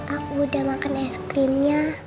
aku udah makan es krimnya